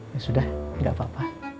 ya sudah tidak apa apa